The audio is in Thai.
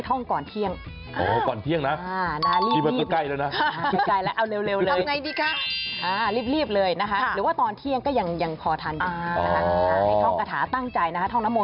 ท่องเลยได้ไหมคะปันไหมคะใจเย็น